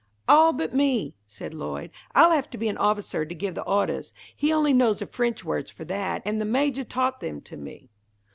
"All but me," said Lloyd. "I'll have to be an officer to give the ordahs. He only knows the French words for that, and the Majah taught them to me."